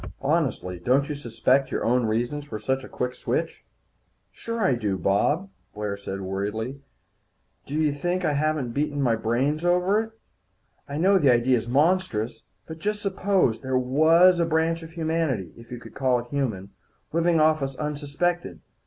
Honestly, don't you suspect your own reasons for such a quick switch?" "Sure I do, Bob," Blair said worriedly. "Do you think I haven't beaten out my brains over it? I know the idea's monstrous. But just suppose there was a branch of humanity if you could call it human living off us unsuspected.